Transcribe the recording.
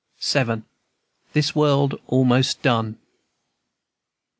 VII. THIS WORLD ALMOST DONE.